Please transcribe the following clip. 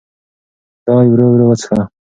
چای ورو ورو وڅښه.